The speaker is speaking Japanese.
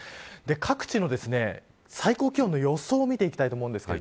各地の最高気温の予想を見ていきます。